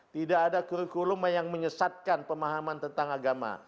tidak ada kurikulum yang menyesatkan pemahaman tentang agama